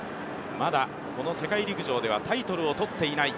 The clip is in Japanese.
まだこの世界陸上ではタイトルを取っていない。